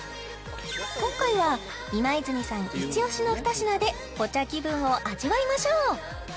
今回は今泉さんイチオシのふた品でポチャ気分を味わいましょう！